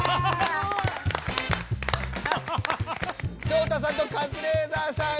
照太さんとカズレーザーさん